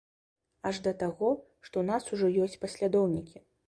Аж да таго, што ў нас ужо ёсць паслядоўнікі.